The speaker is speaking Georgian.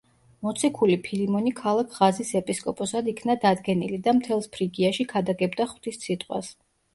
მოციქული ფილიმონი ქალაქ ღაზის ეპისკოპოსად იქნა დადგენილი და მთელს ფრიგიაში ქადაგებდა ღვთის სიტყვას.